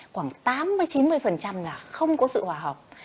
khoảng tám mươi chín mươi là không có sự hòa hợp